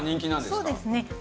そうですね。